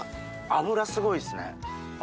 脂すごいですね。